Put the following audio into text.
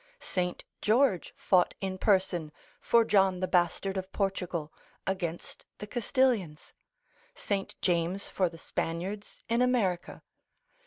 St. George fought in person for John the Bastard of Portugal, against the Castilians; St. James for the Spaniards in America.